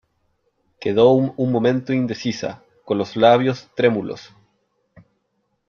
quedó un momento indecisa , con los labios trémulos .